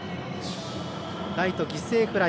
ライト、犠牲フライ。